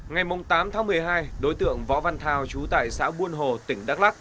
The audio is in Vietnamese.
ngày tám tháng một mươi hai đối tượng võ văn thao trú tại xã buôn hồ tỉnh đắk lắc